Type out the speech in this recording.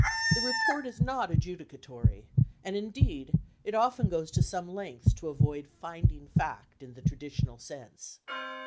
The report is not adjudicatory, and indeed it often goes to some lengths to avoid "finding fact" in the traditional sense.